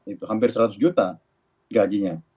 itu hampir seratus juta gajinya